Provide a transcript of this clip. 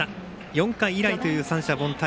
４回以来という三者凡退。